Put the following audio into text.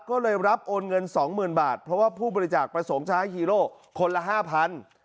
ก็เลยรับโอนเงิน๒๐๐๐๐บาทเพราะว่าผู้บริจาคประสงค์ช้าให้ฮีโร่คนละ๕๐๐๐